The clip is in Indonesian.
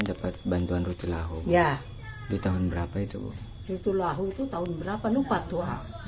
ini dapat bantuan ruti lahu ya di tahun berapa itu bu ruti lahu itu tahun berapa lupa tuh